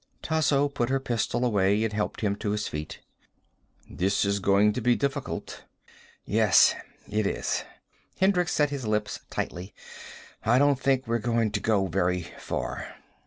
Tasso put her pistol away and helped him to his feet. "This is going to be difficult." "Yes it is." Hendricks set his lips tightly. "I don't think we're going to go very far."